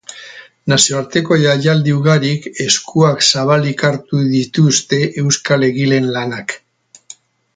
Nazioarteko jaialdi ugarik eskuak zabalik hartu dituzte euskal egileen lanak.